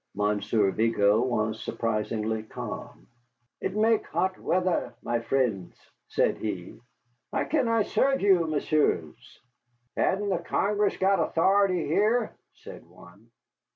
Monsieur Vigo was surprisingly calm. "It make hot weather, my frens," said he. "How can I serve you, messieurs?" "Hain't the Congress got authority here?" said one.